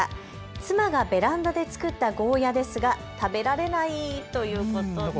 妻がベランダで作ったゴーヤーですが食べられないということです。